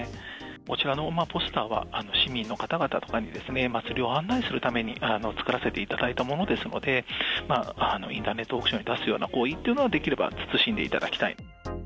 こちらのポスターは、市民の方々とかに祭りを案内するために作らせていただいたものですので、インターネットオークションに出すような行為っていうのは、できれば慎んでいただきたい。